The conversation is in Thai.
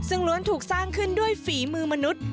ซึ่งล้วนถูกสร้างขึ้นด้วยฝีมือมนุษย์